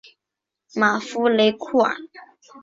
马夫雷库尔。